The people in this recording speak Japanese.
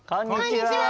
こんにちは！